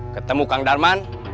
ketemu kang darman